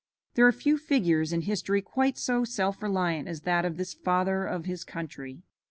There are few figures in history quite so self reliant as that of this "Father of his Country."